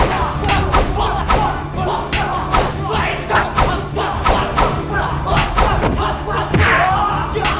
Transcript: apa yang kau rasakan